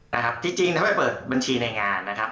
นะครับจริงถ้าไปเปิดบัญชีในงานนะครับ